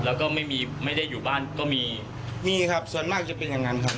แล้วก็ไม่มีไม่ได้อยู่บ้านก็มีมีครับส่วนมากจะเป็นอย่างนั้นครับ